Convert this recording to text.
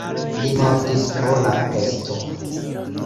Li mortis pro la pesto.